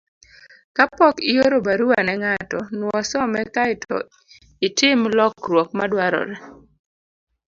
Kapok ioro barua ne ng'ato, nuo some kae to itim lokruok madwarore.